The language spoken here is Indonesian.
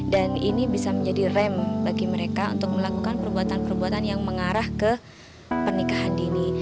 dan ini bisa menjadi rem bagi mereka untuk melakukan perbuatan perbuatan yang mengarah ke pernikahan dini